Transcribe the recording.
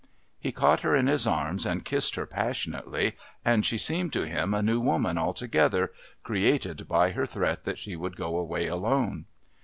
He caught her in his arms and kissed her passionately, and she seemed to him a new woman altogether, created by her threat that she would go away alone.